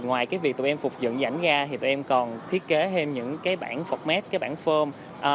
ngoài việc tụi em phục dựng di ảnh ra tụi em còn thiết kế thêm những bản format bản form